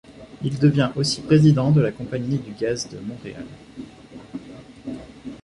Il devient aussi président de la Compagnie du gaz de Montréal.